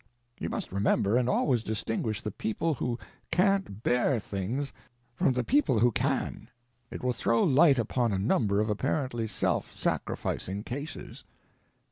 You must remember and always distinguish the people who can't bear things from people who can. It will throw light upon a number of apparently "self sacrificing" cases.